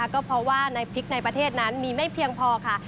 ก็เพราะว่าในพริกในประเทศนั้นมีไม่เพียงพอค่ะ